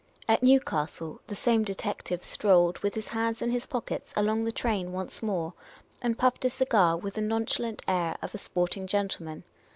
At Newcastle, the same de tective strolled, with his hands in his pockets, along the train once more, and puffed a cigar with the nonchalant air of a sporting gentleman.